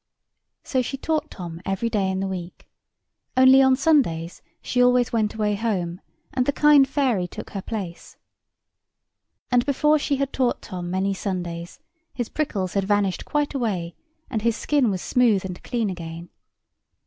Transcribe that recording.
So she taught Tom every day in the week; only on Sundays she always went away home, and the kind fairy took her place. And before she had taught Tom many Sundays, his prickles had vanished quite away, and his skin was smooth and clean again.